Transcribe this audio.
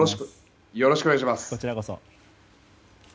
よろしくお願いします！